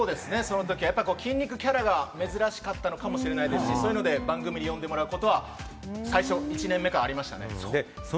筋肉キャラが珍しかったのかもしれませんし、そういうので番組に呼んでもらうことは最初、１年目からありましたね。